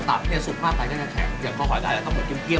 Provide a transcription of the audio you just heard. ก็เป็นเทคนิคเหมือนกันเพราะว่าแต่ละอวัยหวะเนี่ย